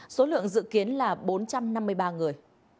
số lượng dự kiến là bốn trăm năm mươi ba người